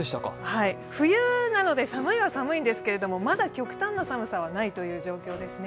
冬なので寒いは寒いんですけれどもまだ極端な寒さはないということですね。